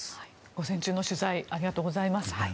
午前中の取材ありがとうございます。